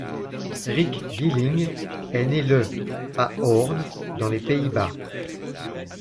Rik Gieling est né le à Hoorn, dans les Pays-Bas.